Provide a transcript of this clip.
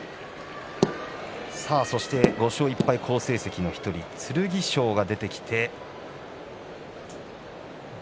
５勝１敗、好成績の１人剣翔が出てきました。